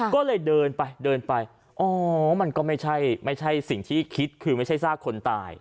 ก็เลยเดินไปเดินไปอ๋อมันก็ไม่ใช่ไม่ใช่สิ่งที่คิดคือไม่ใช่ซากคนตาย